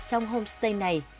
trong homestay an bàng